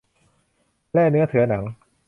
แล่เนื้อเถือหนัง